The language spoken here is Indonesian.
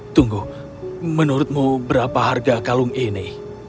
tunggu menurutmu berapa harga kalung ini